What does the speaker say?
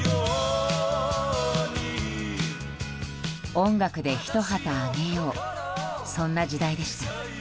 音楽で、ひと旗揚げようそんな時代でした。